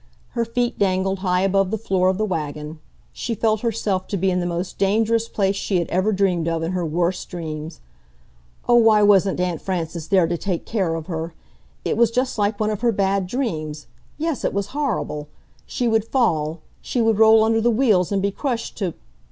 Her feet dangled high above the floor of the wagon. She felt herself to be in the most dangerous place she had ever dreamed of in her worst dreams. Oh, why wasn't Aunt Frances there to take care of her! It was just like one of her bad dreams—yes, it was horrible! She would fall, she would roll under the wheels and be crushed to